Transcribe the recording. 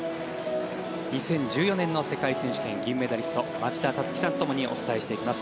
２０１４年の世界選手権、銀メダリスト町田樹さんとともにお伝えしていきます。